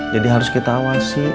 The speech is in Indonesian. jadi harus kita awasi